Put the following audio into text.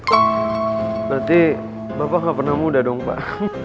berarti bapak nggak pernah muda dong pak